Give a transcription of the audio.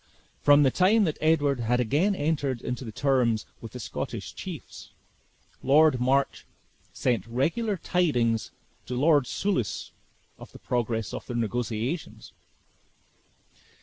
From the time that Edward had again entered into terms with the Scottish chiefs, Lord March sent regular tidings to Lord Soulis of the progress of their negotiations.